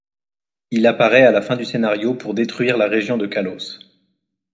Il apparaît à la fin du scénario pour détruire la région de kalos.